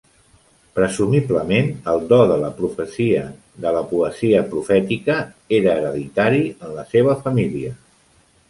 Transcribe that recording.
Presumiblement el do de la profecia, de la poesia profètica, era hereditari en la seva família.